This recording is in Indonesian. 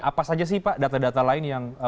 apa saja sih pak data data lain yang